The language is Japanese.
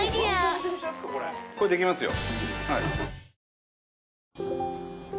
これできますよ。